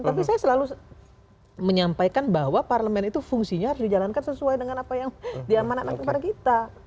tapi saya selalu menyampaikan bahwa parlemen itu fungsinya harus dijalankan sesuai dengan apa yang diamanatkan kepada kita